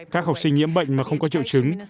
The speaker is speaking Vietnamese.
các học sinh nhiễm bệnh mà không có triệu chứng